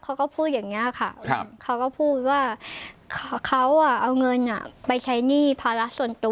เขาก็พูดว่าเขาอ่าเอาเงินไปใช้หนี้ภาระส่วนตัว